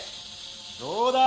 どうだ？